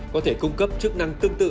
có thể cung cấp chức năng tương tự